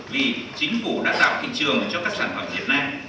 vì chính phủ đã tạo thị trường cho các sản phẩm việt nam